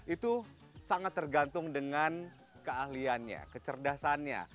itu sangat tergantung dengan keahliannya kecerdasannya